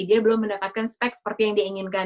dia belum mendapatkan spek seperti yang dia inginkan